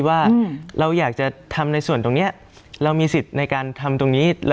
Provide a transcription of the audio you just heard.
ว่าเราอยากจะทำในส่วนตรงนี้เรามีสิทธิ์ในการทำตรงนี้